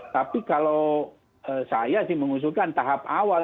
tapi kalau saya sih mengusulkan tahap awal